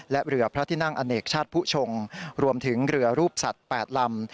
และเรือพระที่นั่งอเนกชาติผู้ชงรวมถึงเรือรูปสัตว์๘ลำ